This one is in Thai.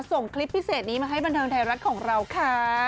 ส่งคลิปพิเศษนี้มาให้บันเทิงไทยรัฐของเราค่ะ